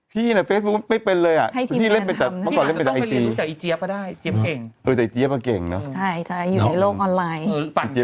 พี่น่ะเฟฟทูปไม่เป็นเลยที่เล่นไปจากไอที